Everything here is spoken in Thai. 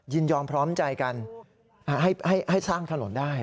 ยินยอมพร้อมใจกันให้สร้างถนนได้